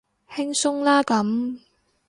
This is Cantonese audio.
輕鬆啦咁